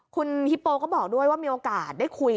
คุณฮิปโปก็บอกด้วยว่ามีโอกาสได้คุย